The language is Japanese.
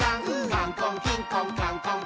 「カンコンキンコンカンコンキン！」